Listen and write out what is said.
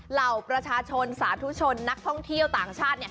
เหล่าประชาชนสาธุชนนักท่องเที่ยวต่างชาติ